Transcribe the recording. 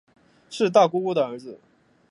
是大姑姑的儿子